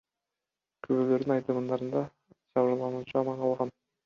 Күбөлөрдүн айтымдарында, жабырлануучу аман калган.